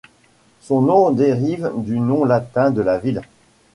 Son nom dérive du nom latin de la ville.